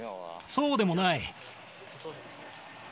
そうでもない。